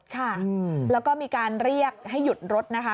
ค่ะแล้วก็มีการเรียกให้หยุดรถนะคะ